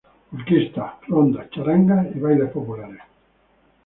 Orquesta, ronda, charangas y bailes populares.